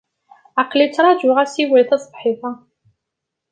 Aql-i ttrajuɣ asiwel taṣebḥit-a.